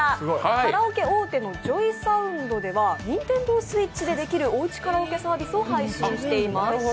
カラオケ大手のジョイサウンドでは、ＮｉｎｔｅｎｄｏＳｗｉｔｃｈでできるおうちカラオケサービスを配信しています。